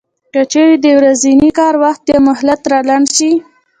که چېرې د ورځني کار وخت یا مهلت را لنډ شي